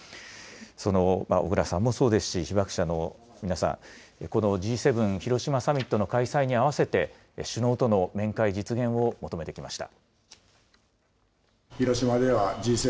そのおぐらさんもそうですし、被爆者の皆さん、このＧ７広島サミットの開催に合わせて首脳との面会実現を求めてきました。